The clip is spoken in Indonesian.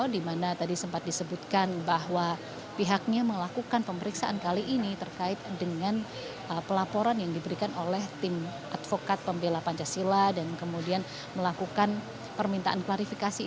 dimana tadi sempat disebutkan bahwa pihaknya melakukan pemeriksaan kali ini terkait dengan pelaporan yang diberikan oleh tim advokat pembelajar pancasila dan kemudian juga melayangkan pelaporan ke barat krim habis polri